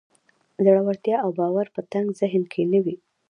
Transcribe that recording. زړورتيا او باور په تنګ ذهن کې نه وي.